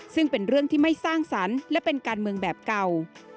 ซึ่งเป็นเรื่องที่ไม่สร้างสรรค์และเป็นการเมืองแบบเก่า